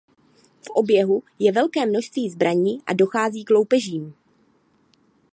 V oběhu je velké množství zbraní a dochází k loupežím.